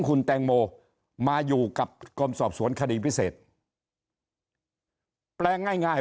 คุณแตงโมมาอยู่กับกรมสอบสวนคดีพิเศษแปลงง่ายง่าย